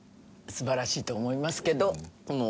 素晴らしいと思いますけどこの。